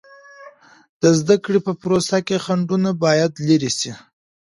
د زده کړې په پروسه کې خنډونه باید لیرې سي.